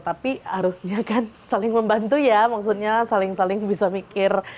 tapi harusnya kan saling membantu ya maksudnya saling saling bisa mikir